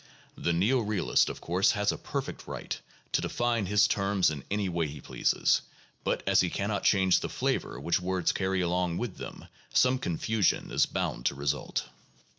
The neo realist, of course, has a perfect right to define his terms in any way he pleases; but as he can not change the flavor which words carry along with them, some confusion is bound to result.